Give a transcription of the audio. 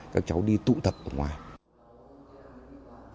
các cháu đi tụ tập ở ngoài